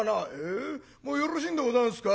「えもうよろしいんでございますか？